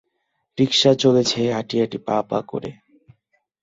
রিকশা চলছে হাঁটি-হাঁটি পা-পা করে।